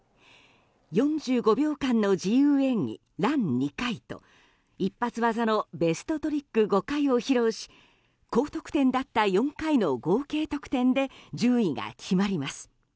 ４５秒間の自由演技ラン２回と一発技のベストトリック５回を披露し高得点だった４回の合計得点で順位が決まります。